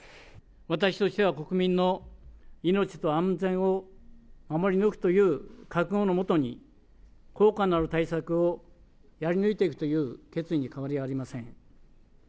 私としては、国民の命と安全を守り抜くという覚悟のもとに、効果のある対策をやり抜いていくという決意には変わりはありません。